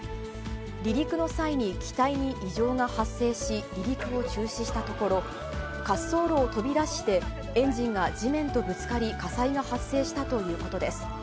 離陸の際に機体に異常が発生し、離陸を中止したところ、滑走路を飛び出して、エンジンが地面とぶつかり、火災が発生したということです。